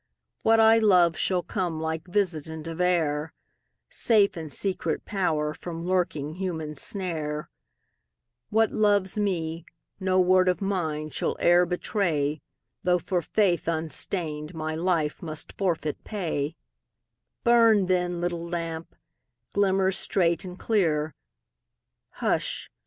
What I love shall come like visitant of air, Safe in secret power from lurking human snare; What loves me, no word of mine shall e'er betray, Though for faith unstained my life must forfeit pay Burn, then, little lamp; glimmer straight and clear Hush!